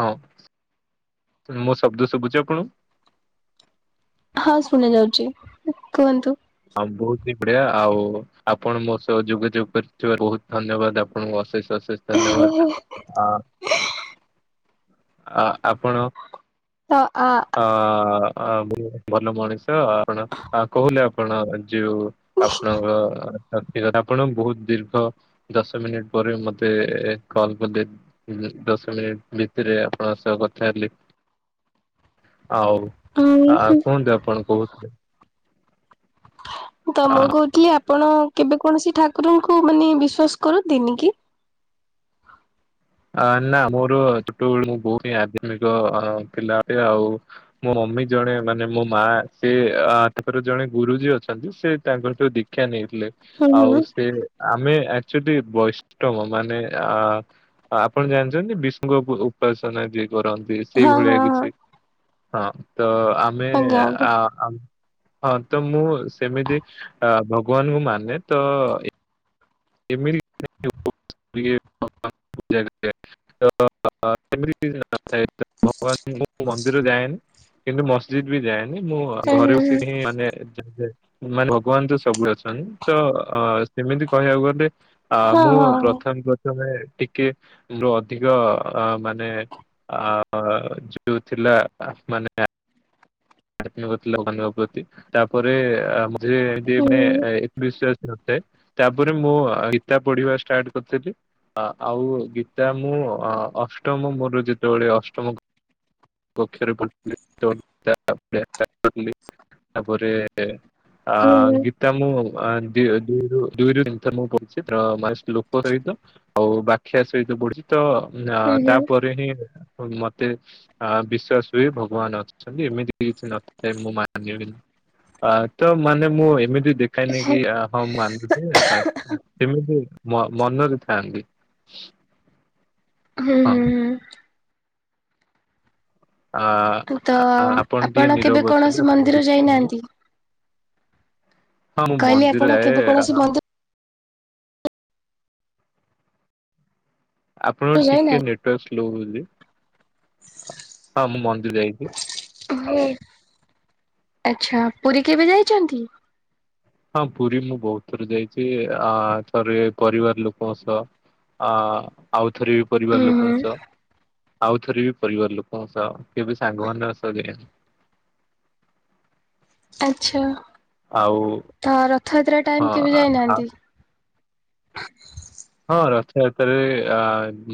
ହଁ ମୋ ଶବ୍ଦ ଶୁଭୁଛି ଆପଣଙ୍କୁ? ହଁ ଶୁଣା ଯାଉଛି କୁହନ୍ତୁ। ଆମ ବୋହୁତ ପଡିଆ ଆଉ ଆପଣ ମୋ ସହ ଯୋଗାଯୋଗ କରିଥିବାରୁ ବୋହୁତ ଧନ୍ୟବାଦ। ଆପଣଙ୍କୁ ଅଶେଷ ଅଶେଷ ଧନ୍ୟବାଦ ଆ ଆ ଆପଣ ତ ଆ ଅ ଅ ଭଲ ମଣିଷ ଆପଣ ଆପଣ କହୁନି ଆପଣ ଯୋଉ ଆପଣଙ୍କ ଶକ୍ତି କଥା ଆପଣ ବୋହୁତ ଦୀର୍ଘ ଦଶ ମିନିଟ୍ ପରେ ମତେ କଲ କଲେ। ଦଶ ମିନିଟ୍ ଭିତରେ ଆପଣଙ୍କ ସହ କଥା ହେଲି। ଆଉ ଆ କୁହନ୍ତୁ ଆପଣ କହୁ ତ ଆ, ମୁଁ କହୁଥିଲି ଆପଣ କେବେ କୌଣସି ଠାକୁରଙ୍କୁ ମାନେ ବିଶ୍ଵାସ କରନ୍ତିନି କି? ଆ ନା ମୋର ଛୋଟବେଳୁ ମୁଁ ବୋହୁତ ଆଧ୍ୟମିକ ଥିଲା ଆଉ ମୋ ମମି ଜଣେ ମାନେ ମୋ ମା ସେ ଅ ତାଙ୍କର ଜଣେ ଗୁରୁଜୀ ଅଛନ୍ତି। ସେ ତାଙ୍କର ସୁ ଶିକ୍ଷା ନେଇଥିଲେ। ହୁଁ ଆଉ ହୁଁ। ସେ ଆମେ ଆକଚାଲି ବୈଷ୍ଟମ ମାନେ ଆ ଆପଣ ଜାଣିଛନ୍ତି ବିଷ୍ଣୁଙ୍କ ଉପାସନା ଯିଏ କରନ୍ତି ସେଇ ହଁ ହଁ ଭଳିଆ ହଁ କିଛି? ହଁ ତ ଆମେ ଆଜ୍ଞା ଆଜ୍ଞା। ଆ ହଁ ତ ମୁଁ ସେମିତି ଅ ଭଗବାନଙ୍କୁ ମାନେ ତ ଏମିତି [unintelligible] [unintelligible] ମନ୍ଦିର ଯାଏନି। କିନ୍ତୁ ମସଜିଦ୍ ବି ଯାଏନି ମୁଁ ଘରେ ବସିକି ମାନେ ମାନେ ଭଗବାନ ତ ସବୁ ଅଛନ୍ତି ତ ଅ ସେମିତି କହିବାକୁ ଗ ବେ ଆ ହୁଁ ମୁଁ ହୁଁ ହୁଁ। ହଁ ହଁ। ପ୍ରଥମେ ପ୍ରଥମେ ଟିକେ ଲୋ ଅଧିକ ଅ ମାନେ ଆ ଯଉ ଥିଲା ମାନେ [unintelligible] ପ୍ରତି। ତାପରେ ଯେ ଏମତି ହୁଁ ମାନେ [unintelligible] ତାପରେ ମୁଁ ଗିତା ପଢିବା ଷ୍ଟାର୍ଟ କରଦେଲି। ଆଉ ଗୀତା ମୁଁ ଅ ଅଷ୍ଟମ ମୋର ଯେତେବେଳେ ଅଷ୍ଟମ ପକ୍ଷ ରେ ପଢ଼ୁଥିଲି [unintelligible] ତାପରେ ଆ ହୁଁ ଗୀତା ମୁଁ ଦରୁ ଦୁଇରୁ ତିନ ଥର ମୁଁ ପଢୁଚି ତ ଶ୍ଳୋକ ସହିତ। ଆଉ ବାଖି୍ୟା ସହିତ ବଢୁଛି ତ ହୁଁ ହୁଁ। ତାପରେ ହିଁ ମତେ ଆ ବିଶ୍ଵାସ ହୁଏ ଭଗବାନ ଅଛନ୍ତି ଏମିତି କି କିଛି ନଥାଏ ମୁଁ ମାନିବିିନି। ଅ ତ ମାନେ ମୁଁ ଏମିତି ଦେଖାଏନି ହୁଁ କି ହଁ ମୁଁ ମା ନୁ ସେମିତି ମନରେ ଥାଆନ୍ତି। ହଁ। ହୁଁ ଆ ତ ଟିକେ ଆପଣ ନିରବ କେବେ ଅଛନ୍ତି କୌଣସି ଆପଣ ମନ୍ଦିର କିଛି କୁହନ୍ତୁ ଯାଇନାହାଁନ୍ତି? ହଁ ମୁଁ କହିଲି ଆପଣ ମନ୍ଦିର କେବେ କୌଣସି ଯାଏ। ମନ୍ଦିର ଆପଣଙ୍କ ଟିକେ ଯାଇନାହାନ୍ତି? ନେଟୱାର୍କ ସ୍ଲୋ ହଉଛି ହଁ ମୁଁ ମନ୍ଦିର ଯାଇଚି। ଆଛା, ପୁରୀ କେବେ ଯାଇଛନ୍ତି? ହଁ ପୁରୀ ମୁଁ ବହୁତ ଥର ଯାଇଛି ଆ ଥରେ ପରିବାର ଲୋକଙ୍କ ସହ। ଅ ଆଉଥରେ ବି ପରିବାର ହୁଁ ହୁଁ। ଲୋକଙ୍କ ସହ। ଆଉ ଥରେ ବି ପରିବାର ଲୋକଙ୍କ ସହ, କେବେ ସାଙ୍ଗମାନଙ୍କ ସହ ଯାଇନି। ଆଛା ଆଉ ତ ରଥଯାତ୍ରା ଟାଇମ କେବେ ହଁ ଯାଇନାହାନ୍ତି? ହଁ ରଥଯାତ୍ରାରେ ଅ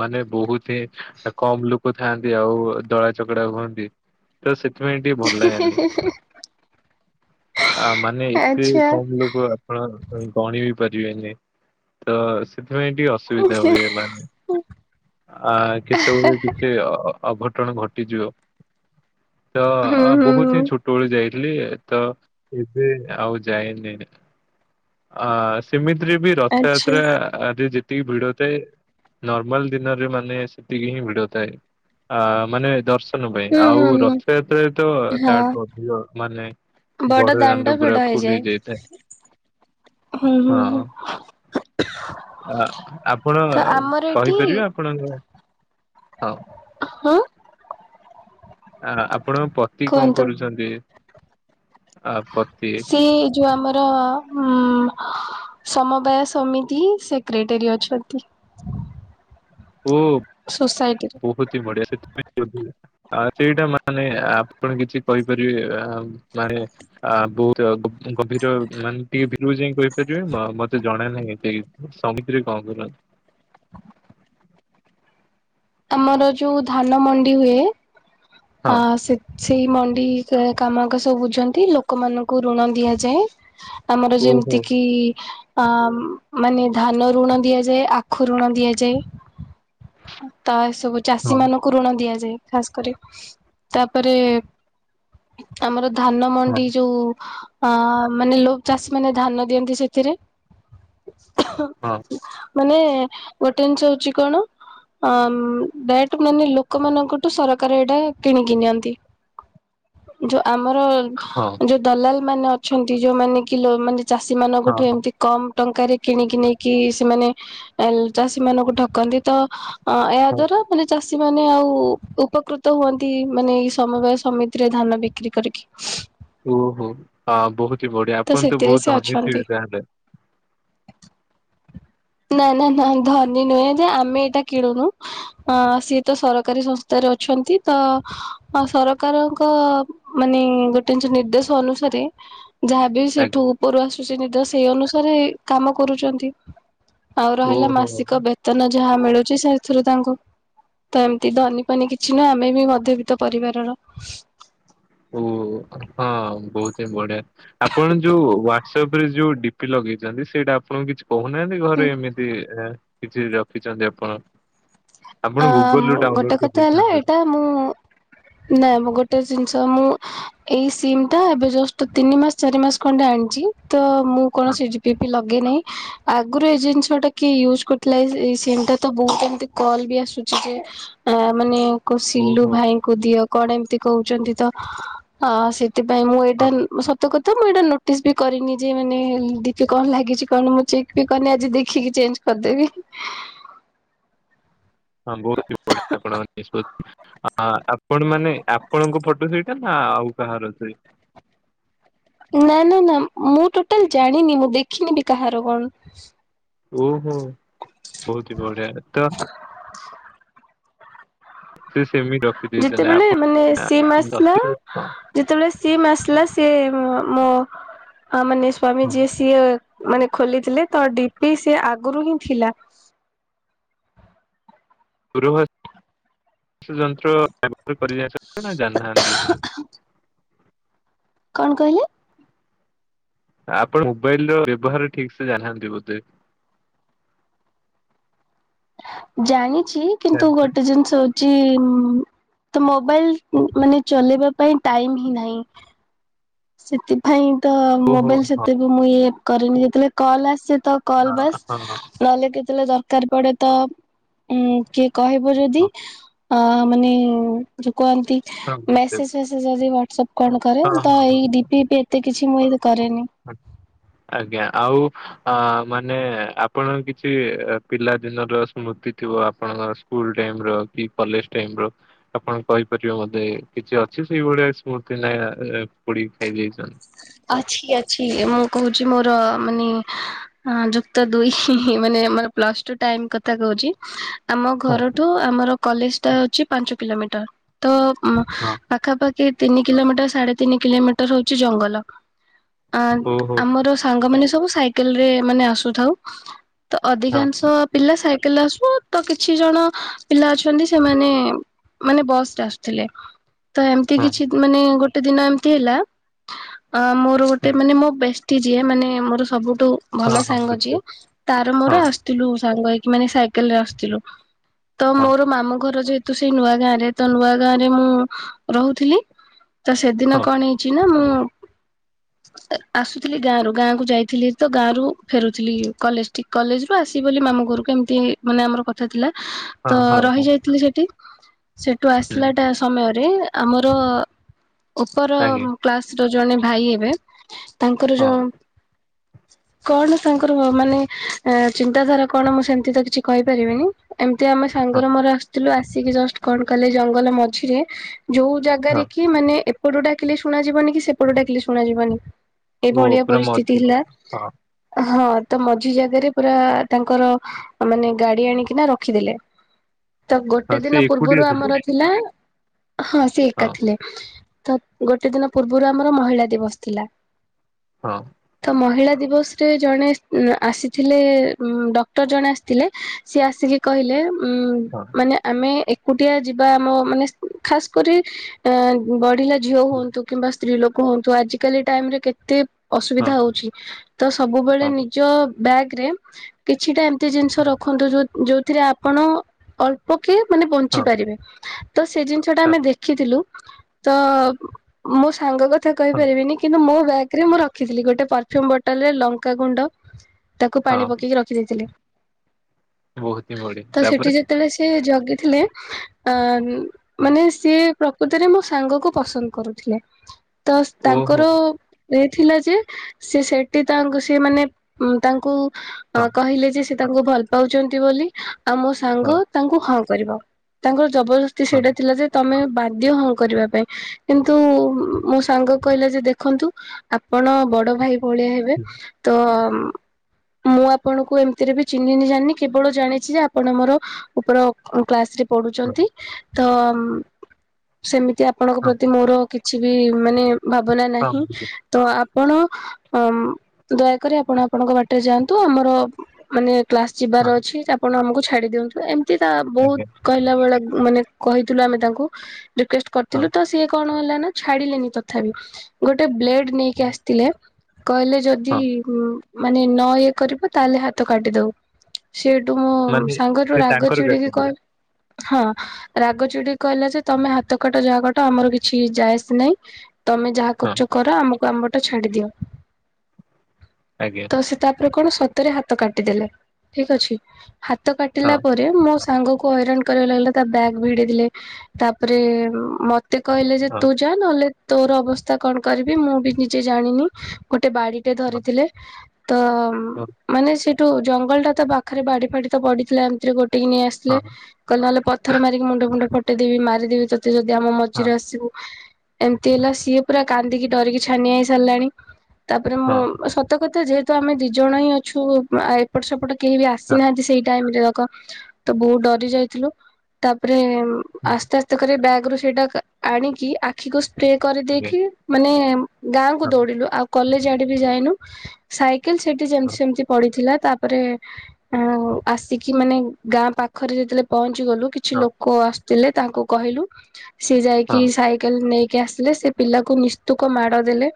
ମାନେ ବହୁତ ହିଁ କମ ଲୋକ ଥାଆନ୍ତି ଆଉ ଦଳା ଚକଡା ହୁଅନ୍ତି ତ ସେଥିପାଇଁ ଟିକେ ଭଲ ଲାଗେନି। ଆ ମାନେ ଏତେ ଆଚ୍ଛା। କମ ଲୋକ ଆପଣ ଗଣି ବି ପାରିବେନି ତ ସେଥିପାଇଁ ଟିକେ ହୁଁ ଅସୁବିଧା ହୁଏ ମାନେ ଆ କେତେବେଳେ କିଛି ଅ ଅଘଟଣ ଘଟିଯିବ। ତ ହୁଁ ବହୁତ ହିଁ ଛୋଟବେଳି ଯାଇ ଥିଲି ଏ ତ ଏବେ ଆଉ ଯାଇନି। ଆ ସେମିତିରେ ବି ଆଚ୍ଛା ରଥଯାତ୍ରାରେ ଯେତିକି ଭିଡ ଥାଏ ନର୍ମାଲ ଦିନରେ ମାନେ ସେତିକି ହିଁ ଭିଡଥାଏ, ଆ ମାନେ ଦର୍ଶ ନ ପାଇଁ ହୁଁ ଆଉ ହୁଁ ହୁଁ ରଥଯାତ୍ରାରେ ତ ହଁ ତାଠୁ ଅଧିକ ମାନେ ବଡ ବଡ଼ ଦାଣ୍ଡ ଭିଡ ପୁରା ଫୁଲ ହେଇଯାଏ। ହେଇ ଯାଇଥାଏ। ହୁଁ ହୁଁ ହଁ ହୁଁ ଆ ଆପଣ ତ ଆମର କ ଏଠି କରିବେ ଆପଣଙ୍କ ହ। ହଁ ଆ ଆପଣଙ୍କ ପତି କଣ କୁହନ୍ତୁ। କରୁଛନ୍ତି ଆ ପତି? ସେ ଯୋଉ ଆମର ଉଁ ସମବାୟ ସମିତି ସେକ୍ରେଟେରୀ ଅଛନ୍ତି। ଓ। ସୋସାଇଟିରେ। ବହୁତି ବଢିଆ ସେ [unintelligible] ଆ ସେଇଟା ମାନେ ଆପଣ କିଛି କହିପାରିବେ ଆ ମାନେ ଆ ବହୁତ ଗଭିର ମାନେ ଟିକେ ଭିରକୁ ଯାଇ କହିପାରିବେ ମତେ ଜଣେ ନାହିଁ ସେଇ ସଂଗୀତିରେ କଣ କରନ୍ତି? ଆମର ଯୋଉ ଧାନ ମଣ୍ଡି ହୁଏ, ଆ ହଁ ସେ ସେଇ ମଣ୍ଡି କାମାଗ ସବୁ ବୁଝନ୍ତି। ଲୋକମାନାନଙ୍କୁ ଋଣ ଦିଆଯାଏ। ଆମର ଓହୋ ଯେମିତି କିି ଆଃ ଆଃ ମାନେ ଧାନ ଋଣ ଦିଆଯାଏ, ଆଖୁ ଋଣ ଦିଆଯାଏ। ତ ଏ ସବୁ ଚାଷୀ ହଁ ମାନଙ୍କୁ ଋଣ ଦିଆଯାଏ ଖାସ କରି। ତାପରେ ଆମର ଧାନ ହଁ ମଣ୍ଡି ଯୋଉ ହ ମାନେ ଲୁକଚାଷୀ ମାନେ ଧାନ ଦିଅନ୍ତି ସେଥିରେ। ହଁ ମାନେ ଗୋଟେ ଜିନିଷ ହଉଛି କଣ? ହ ମାନେ ବେଟେ ଲୋକମାନଙ୍କଠୁ ସର ତାଙ୍କର ଏଇଟା କିଣିକି ନିଅନ୍ତି। ଯଉ ଆମର ହଁ। ଯୋଉ ଦଲାଲ ମାନେ ଅଛନ୍ତି, ଯୋଉମାନେ ଲୋ କି ମାନେ ଚାଷୀ ହଁ ମାନଙ୍କଠୁ ଏମତି କମ ଟଙ୍କାରେ କିଣିକି ନେଇକି ସେମାନେ ଚାଷୀ ମାନଙ୍କୁ ଠକନ୍ତି? ତ ଅ ଏହା ହଁ, ଦ୍ଵାରା ମାନେ ଚାଷୀ ମାନେ ଆଉ ଉପ ଉପକୃତ ହୁଅନ୍ତି, ମାନେ ଏଇ ସମବାୟ ସମିତିରେ ଧାନ ବିକ୍ରି କରିକି। ଓହୋ। ହ ବହୁତ ହି ବଢିଆ। ଆପଣ ତ ସେଥିରେ ସେ ବହୁତ ଧନୀ ଅଛନ୍ତି। ଥିବେ ତାହେଲେ। ନା ନା ନା ଧନୀ ନୁହେଁ ଯେ ଆମେ ଏଇଟା କିଣୁନୁ। ଅ ସିଏ ତ ସରକାରୀ ସଂସ୍ଥାରେ ଅଛନ୍ତି। ତ ଅ ସରକାରଙ୍କ ମାନେ [unintelligible] ନିର୍ଦ୍ଦେଶ ଅନୁସାରେ? [inaudible] ଯାହାବି ସେଠୁ ଆଜ୍ଞା। ଉପରୁ ଆସୁଛି ନିଦ ସେଇ ଅନୁସାରେ କାମ କରୁଛନ୍ତି। ଆଉ ରହିଲା ଓହୋ ମାସିକ ବେତନ ଯାହା ମିଳୁଛି ସେଥିରୁ ତାଙ୍କୁ ତ ଏମିତି ଧନି ପନି କିଛି ନୁହଁ, ଆମେ ବି ମଧ୍ୟବିତ୍ତ ପରିବାରର। ଓ ହଁ ବହୁତ ହିଁ ବଢିଆ। ଆପଣ ଯୋଉ ୱା ସେ ଉପରେ ଯୋଉ ଡିପି ଲଗେଇଛନ୍ତି, ସେଇଟା ଆପଣଙ୍କୁ କିଛି କହୁନାହାନ୍ତି ଘରେ ଏମିତି? କିଛି ରଖିଛନ୍ତି ଆପଣ। ଆ ଆପଣ ଗୁଗୁଲ ରୁ ଗୋଟେ ଡାଉନଲୋଡ କଥା ହେଲା କରିଦେଇଥାନ୍ତେ। ଏଇଟା ମୁଁ [inaudible] ନା ମୁଁ ଗୋଟେ ଜିନିଷ ମୁଁ ଏଇ ସିମ୍ ଟା ଏବେ ଜଷ୍ଟ ତିନି ମାସ ଚାରି ମାସ ଖଣ୍ଡେ ଆଣିଛି। ତ ମୁଁ କଣ ସି ଯି [unintelligible] ଲଗେଇ ନାହିଁ। ଆଗରୁ ଏ ଜିନିଷ ଟା କିଏ ୟୁଜ କରିଥିଲା ଏ ସିମ ଟା ତ ବହୁତ ଏମି ତି କଲ ବି ଆ ଆସୁଛି ଯେ, ଆ ମାନେ କ ହଁ ସିଲୁ ଓହୋ ଭାଇ ଙ୍କୁ କଉ ଦିଅ କଣ ଏମିତି କହୁଛନ୍ତି ତ? ଆ ସେଥିପାଇଁ ମୁଁ ଏଇଟା ହଁ ମୁଁ ସତ ସତ କଥା ମୁଁ ଏଇଟା ନୋଟିସ୍ ବି କରିନି ଯେ ମାନେ ଡିପି କଣ ଲାଗିଛି କଣ ମୁଁ ଚେକ୍ ବି କରିନି ଆଜି ଦେଖିକି ଚେଞ୍ଜ କରଦେବି। ହ [inaudible] ହଁ ବହୁତ ବଢଆ ଆପଣ ନିଷ୍ପତ୍ତି। ଆପଣ ମାନେ ଆପଣଙ୍କ ଫଟୋ ସେଇଟା। ନା ଆଉ କାହାର ଅ ସେ ନା ନା ନା। ମୁଁ ଟୋଟାଲ ଜାଣିନି ମୁଁ ଦେଖିନି ବି କାହାର କଣ? ଓହୋ। ବହୁତ ହି ବଢିଆ। ତ ସେ ସେମିର ଯେତେବେଳେ ମାନେ ସିମ୍ ଆସିଲା ଯେତେବେଳେ ସିଏମ ଆସିଲା ସିଏ ମୋ ମାନେ ସ୍ୱାମୀଜୀ ଯିଏ ଚିଏ ମାନେ ଖୋଲିଥିଲେ ତ ଡିପି ସିଏ ଆଗରୁ ହିଁ ଥିଲା। ଯନ୍ତ୍ର ବ୍ୟହାର ନା ଜାଣିନାହାନ୍ତି [unintelligible] କଣ କହିଲେ? ଆପଣ ମୋବାଇଲ ର ବ୍ୟବହାର ଠିକ ସେ ଜାଣି ନାହାନ୍ତି ବୋଧେ? ଜାଣିଛି କିନ୍ତୁ ଗୋଟେ ଜିନିଷ ହଉ ଚି ତ ମୋବାଇଲ ମାନେ ଚଲେଇବା ପାଇଁ ଟାଇମ୍ ହିଁ ନାହିଁ। ସେଥିପାଇଁ ତ ଓହୋ ମୋବାଇଲ ହଁ ସେତେବେ ମୁଁ ଇଏ କରେନି ଯେତେବେଳେ କଲ ଆସେ ତ କଲ ହଁ ବାସ୍ ହଁ ନହେଲେ କେତବେଳେ ଦରକାର ପଡେ ତ ଉଁ କିଏ କହିବ ଯଦି ହଁ ଅ ମାନେ ଯୁ କୁହନ୍ତି। ହଁ ମେସେଜ ଫେସେଜ ଯଦି ୱାଟଶପ୍ କଣ କରେ ତ ହଁ। ଏଇ ଡିପି ବି ଏତେ କିଛି ମୁଇଁ କରେନି। ଆଜ୍ଞା ଆଉ ଅ ମାନେ ଆପଣ କିଛି ପିଲାଦିନର ସ୍ମୃତି ଥିବ, ଆପଣଙ୍କ ସ୍କୁଲ ଟାଇମ ର କି, କଲେଜ ଟାଇମ ର। ଆପଣ କହିପାରିବେ ମତେ କିଛି ଅଛି ସେଇଭଳିଆ ସ୍ମୃତି ନ ପୋଡି ଖାଇ ଦେଇଛ। ଅଛି, ଅଛି ମୁଁ କହୁଛି ମୋର ମାନେ ହଁ ଯୁକ୍ତ ଦୁଇ ମାନେ ଆର ପ୍ଲସ୍ ଟୁ ଟାଇମ୍ କଥା କହୁଛି। ଆମ ହଁ ଘରଠୁ ଆମର କଲେଜ ଟା ହଉଛି ପାଞ୍ଚ କିଲୋମିଟର ତ ହଁ ପାଖାପା କି ତିନି କିଲୋମିଟର, ସାଢେ ତିନି କିଲୋମିଟର ହଉଛି ଜଙ୍ଗଲ। ଆ ଓହୋ ଆମର ସାଙ୍ଗମାନେ ସବୁ ସାଇକେଲ ରେ ମାନେ ଆସୁଥାଉ। ତ ହଁ ଅଧିକାଂଶ ପିଲା ସାଇକେଲରେ ଆସୁ ତ କିଛି ଜଣ ପିଲା ଅଛନ୍ତି ସେମାନେ ମାନେ ବସ୍ ରେ ଆସୁଥିଲେ ତ ଏମିତି ହଁ କିଛି ମାନେ ଗୋଟେ ଦିନ ଏମିତି ହେଲା। ଅ ମୋର ଗୋଟେ ମାନେ ମୋ ବେଷ୍ଟି ଯିଏ ମାନେ ମୋର ସବୁଠୁ ହଁ ଭଲ ହଁ ସାଙ୍ଗ ଯିଏ ବୁଝିଲି ତାର ହଁ ମୋର ଆସିଥିଲୁ ସାଙ୍ଗ ହେଇକି ମାନେ ସାଇକେଲରେ ଆସିଥିଲୁ। ତ ହଁ ମୋର ମାମୁ ଘର ଯେହେତୁ ସେଇ ନୂଆ ଗାଁରେ ତ ନୂଆ ଗାଁରେ ମୁଁ ରହୁଥିଲି। ତ ସେଦିନ ହଁ। କଣ ହେଇଛି ନା, ମୁଁ ଆସୁଥିଲି ଗାଁ ରୁ ଗାଁକୁୁ ଯାଇଥିଲି ତ ଗାଁ ରୁ ଫେରୁଥିଲି କଲେଜ ଟି କଲେଜ ରୁ ଆସିବ ବୋଲି ମାମୁଁ ଘରକୁ ଏମିତି ମାନେ ଆମର ଥିଲା ତ ରହିଯାଇଥିଲି ସେଠି ସେଠୁ ଆସିଲାଟା ସମୟରେ ଆମର ଉପର ଆଜ୍ଞା। କ୍ଲାସ ର ଜଣେ ଭାଇ ହେବେ ତାଙ୍କର ହଁ, ଯୋ କଣ ତାଙ୍କର ମାନେ ଚିନ୍ତାଧାରା କଣ ମୁଁ, ସେମତି ତ କିଛି କହିପାରିବିନି। ଏମିତି ଆମେ ହଁ, ସାଙ୍ଗର ମୋର ଆସିଥିଲୁ ଆସିକି ଜଷ୍ଟ କଣ କଲେ ଜଙ୍ଗଲ ମଝିରେ ଯୋଉ ହଁ। ଜାଗାରେ କି ମାନେ ଏପଟ ଡାକିଲେ ଶୁଣାଯିବନି କି ସେପଟ ଡାକିଲେ ଶୁଣାଯିବନି। ଏଭଳିଆ ପରିସ୍ଥିତି ମଝିରେ। ହେଲା। ହଁ, ହଁ ତ ମଝି ଜାଗାରେ ପୁରା ତାଙ୍କର ମାନେ ଗାଡି ଆଣିକିନା ରଖିଦେଲେ। ହ [inaudible] ତ ଗୋଟେ ଦିନ ପୂର୍ବରୁ, ଆମର ଥିଲା ହଁ ସିଏ ଏକା ଥିଲେ ତ ଗୋଟେ ଦିନ ପୂର୍ବରୁ ଆମର ମହିଳା ଦିବସ ଥିଲା। ହଁ। ତ ମହିଳା ଦିବସ ରେ ଜଣେ ଆସିଥିଲେ ଡକ୍ଟର ଜଣେ ଆସିଥିଲେ। ସିଏ ଆସିକି କହିଲେ ଉଁ ହଁ, ମାନେ ଆମେ ଏକୁଟିଆ ଯିବା ଆମ ମାନେ ଖାସ କରି ଆ ବଢ଼ିଲା ଝିଅ ହୁଅନ୍ତୁ କିମ୍ବା ସି ସ୍ତ୍ରୀ ଲୋକ ହୁଅନ୍ତୁ ଆଜିକାଲି ଟାଇମ୍ ରେ କେତେ ହଁ, ଅସୁବିଧା ହଉଛି ତ ସବୁବେଳେ ହଁ, ନିଜ ବ୍ୟାଗରେ କିଛିଟା ଏମତି ଜିନିଷ ରଖନ୍ତୁ ଯୋଉ ଯୋଉଥିରେ ଆପଣ ଅଳ୍ ପକେ ମାନେ ବଞ୍ଚି ହଁ, ପାରିବେ ତ ସେ ଜିନିଷ ଟା ହଁ, ଆମେ ଦେଖିଥିଲୁ। ତ ମୋ ସାଙ୍ଗ କଥା ହଁ, କହିପାରିବିନି କିନ୍ତୁ ମୋ ବ୍ୟାଗ ଗ୍ ରେ ମୁଁ ରଖିଥିଲି ଗୋଟେ ପରଫ୍ୟୁମ୍ ବଟଲ ରେ ଲଙ୍କା ଗୁଣ୍ଡ ତାକୁ ପାଣି ହଁ, ପକେଇକି ରଖି ଖି ଦେଇଥିଲି ବହୁତ ହିଁ ବଢ଼ିଆ। ତ ସେଠି ତାପରେ? ଯେତେବେଳେ ସେ ଜଗିଥିଲେ ଅ ହଁ, ମାନେ ସିଏ ପ୍ରକୃତରେ ମୋ ସାଙ୍ଗକୁ ପସନ୍ଦ କରୁଥିଲେ। ତ ଓହୋ! ତାଙ୍କର ଦେଇଥିଲା ଯେ ସେ ସେଠି ତାଙ୍କୁ ସେ ମାନେ ତାଙ୍କୁ ଆ ହଁ, କହିଲେ ଯେ ତାଙ୍କୁ ଭଲ ପାଉଛନ୍ତି ବୋଲି ଆଉ ମୋ ହଁ, ସାଙ୍ଗ ତାଙ୍କୁ ହଁ କରିବ ତାଙ୍କର ଜବରଦସ ତି ହଁ, ସେଇଟା ଥିଲା ଯେ ତମେ ବାଧ୍ୟ ହଁ କରିବା ପାଇଁ କିନ୍ତୁ ମ ହଁ, ମୋ ସାଙ୍ଗ କହିଲା ଯେ ଦେଖନ୍ତୁ ଆପଣ ବଡ଼ ଭାଇ ଭଳିଆ ହେବେ ହୁଁ, ତ ଉମ ମୁଁ ଆପଣଙ୍କୁ ଏମିତିରେ ବି ଚିହ୍ନିନି ଜାଣିନି, କେବଳ ଜାଣିଛି ଯେ ଆପଣ ମୋର ଉପର କ୍ଲାସ ରେ ହଁ, ପଢ଼ୁଛନ୍ତି ତ ସେମିତି ଉଁ ଆପଣଙ୍କ ହଁ, ପ୍ରତି ମୋର କି ଛି ବି ମାନେ ଭାବନା ହଁ, ନାହିଁ। ବୁଝିଲି। ତ ଆପଣ ଅମ୍ ଦୟାକରି ଆପଣ ଆପଣଙ୍କ ବାଟରେ ଯାଆନ୍ତୁ ଆମର ମାନେ କ୍ଲାସ ଯିବାର ହଁ, ଅଛି ଆପଣ ଆମକୁ ଛାଡ଼ି ଦିଅନ୍ତୁ ଏମିତି ତା ବହୁତ ଆଜ୍ଞା। କହିଲା ବେଳେ ମାନେ କହିଥିଲୁ ଆମେ ତାଙ୍କୁ ରିକ୍ୱେଷ୍ଟ କରିଥିଲୁ ହଁ, ତ ସିଏ କଣ ହେଲା ନା ଛାଡ଼ିଲେନି ତଥାପି ଗୋଟେ ବ୍ଲେଡ଼ ନେଇକି ଆସିଥିଲେ କହିଲେ ଯଦି ହଁ, ଉମ ମାନେ ନ ଇଏ କରିବ ତାହେଲେ ହାତ କାଟିଦବୁ। ସେଠୁ ମୋ ମାନେ ସାଙ୍ଗ ଯୋଉ ସେ ରାଗ ତାଙ୍କର ଚିଡ଼ିକି କାଟିଲେ। କହି ହଁ ରାଗଚିଡ଼ି କହିଲା ଯେ ତମେ ହାତ କାଟ ଯାହା କାଟ ଆମର କିଛି ଯାଏ ଆସ ନାଇଁ ତମେ ଯାହା ହଁ, କରୁଚ କର ଆମକୁ ଆମ୍ ବାଟ ଛାଡ଼ି ଦିଅ। ଆଜ୍ଞା। ତ ସେ ତାପରେ କଣ ସତରେ ହାତ କାଟିଦଲେ ଠିକ ଅଛି ହାତ କାଟିଲା ହଁ, ପର ରେ ମୋ ସାଙ୍ଗକୁ ହଇରାଣ କରିବାକୁ ଲାଗିଲା ତା ବ୍ୟାଗ ଭିଡ଼ିଲେ। ତାପରେ ଉମ ମତେ କହିଲେ ଜ ହଁ, ତୁ ଯା ନହେଲେ ତୋର ଅବସ୍ଥା କଣ କରିବି ମୁଁ ବି ନିଜେ ଜାଣିନି। ଗୋଟେ ବାଡ଼ିଟେ ହଁ, ଧରିଥିଲେ, ତ ହଁ, ମାନେ ସେ ଟୁ ଜଙ୍ଗଲ ଟା ତ ପାଖରେ ବାଡ଼ି ଫାଡ଼ି ତ ପଡ଼ିଥିଲା ଏମିତିରେ ଗୋଟେକି ନେଇ ଆସିିଥିଲେ। ହଁ, କହିଲ ନହେଲେ ପଥ ମାରିକି ମୁଣ୍ଡ ଫୁଣ୍ଡ ଫଟେଇଦେବି ମାରିଦେବି ତତେ ଯଦି ଆମ ହଁ, ମଝିରେ ଆସିବୁ। ଏମିତି ହେଲା ସିଏ ପୁରା କାନ୍ଦିକି ଡ଼ରିକି ଛାନିଆ ହେଇ ସାରିଲାଣି ତାପରେ ମୁଁ ହଁ, ସ ତ କଥା ଯେହେତୁ ଆମେ ଦି ଜଣ ହିଁ ଅଛୁ ଆ ଏପଟ ସେପଟ କେହି ବି ହଁ, ଆସିନାହାନ୍ତି ସେଇ ଟାଇମରେ। କ ତ ବହୁତ ଡ଼ରି ଯାଇଥିଲୁ ତାପରେ ହୁଁ, ଆସ୍ତେ ଆସ୍ ତେ କରି ବ୍ୟାଗ ରୁ ସେଇଟା ଆଣିକି ଆଖିକୁ ସ୍ପ୍ରେ ଆଜ୍ଞା। କରିଦେଇକି ମାନେ ଗାଁକୁ ହଁ, ଦୌଡ଼ିଲୁ ଆଉ କଲେଜ ଆଡ଼େ ବି ଯାଇନୁ ସାଇକେଲ ସେଠି ହଁ, ଯେମିତି ସେମିତି ପଡ଼ିଥିଲା ତା ପରେ ଉମ୍ ଆସିକି ମାନେ ଗାଁ ପାଖରେ ଯେତେବେଳେ ପହଞ୍ଚିଗଲୁ କିଛି ହଁ, ଲୋକ ଆସିଥିଲେ ତାଙ୍କୁ କହିଲୁ ସିଏ ଯାଇକି ହଁ, ସାଇକେଲ ନେଇକି ଆସିଲେ ସେ ପିଲାକୁ ନିସ୍ତୁକ ମାଡ଼ ଦେଲେ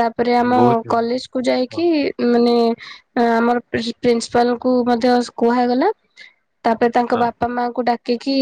ତାପରେ ଆମ ବହୁତ କଲେଜ କୁ ହଁ, ଯାଇକି ଉଁ ମାନେ ଆ ଆମର ପ୍ରି ପ୍ରିନ୍ସିପାଲ କୁ ମଧ୍ୟ କୁହାଗଲା। ତାପରେ ହଁ। ତାଙ୍କ ବାପା ମାଙ୍କୁ ଡ଼ାକିକି